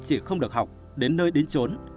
chị không được học đến nơi đến trốn